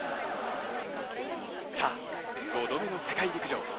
さぁ、５度目の世界陸上。